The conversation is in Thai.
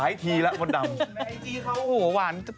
ไอจีเขาหัวหวาน